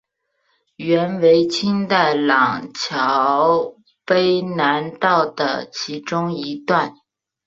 原为清代琅峤卑南道的其中一段。